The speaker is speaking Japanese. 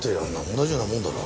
同じようなもんだろ。